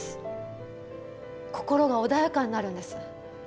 心が穏やかになるんです。